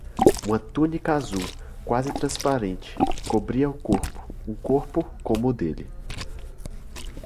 Uma túnica azul, quase transparente, cobria o corpo, um corpo como o dele.